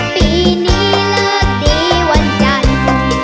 ปีนี้เลิกดีวันจันทร์